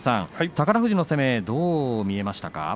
宝富士の攻めはどう見えましたか。